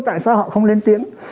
tại sao họ không lên tiếng